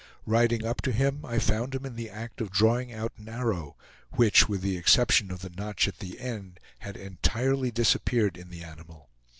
Riding up to him I found him in the act of drawing out an arrow, which, with the exception of the notch at the end, had entirely disappeared in the animal.